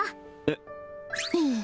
えっ？